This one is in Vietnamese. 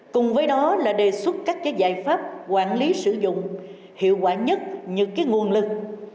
cùng với đó là đề xuất các giải pháp quản lý sử dụng hiệu quả nhất những nguồn lực